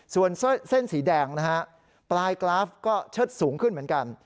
ส่วนเส้นสีแดงนะฮะปลายกราฟก็เชิดสูงขึ้นเหมือนกัน